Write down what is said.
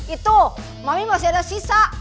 itu mamanya masih ada sisa